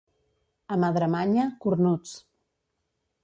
A Madremanya, cornuts.